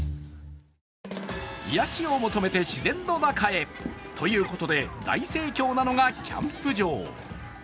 癒やしを求めて自然の中へということで大盛況なのがキャンプ場。